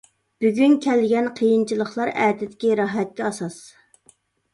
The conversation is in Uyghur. بۈگۈن كەلگەن قىيىنچىلىقلار، ئەتىدىكى راھەتكە ئاساس.